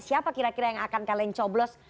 siapa kira kira yang akan kalian coblos